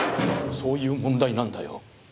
そういう問題なんだよ。